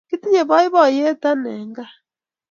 kitinye boiboiyet ani en gaa